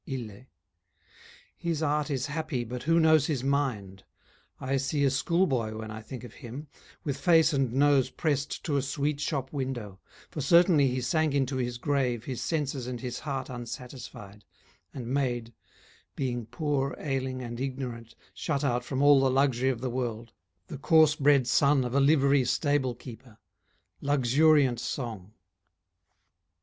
ILLE His art is happy but who knows his mind? I see a schoolboy when I think of him, With face and nose pressed to a sweet shop window, For certainly he sank into his grave His senses and his heart unsatisfied, And made being poor, ailing and ignorant, Shut out from all the luxury of the world, The coarse bred son of a livery stable keeper Luxuriant song.